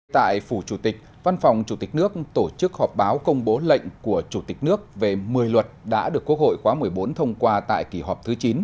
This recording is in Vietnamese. tại phủ chủ tịch văn phòng chủ tịch nước tổ chức họp báo công bố lệnh của chủ tịch nước về một mươi luật đã được quốc hội khóa một mươi bốn thông qua tại kỳ họp thứ chín